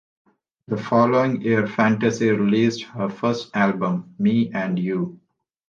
The following year Fantasy released her first album, "Me and You".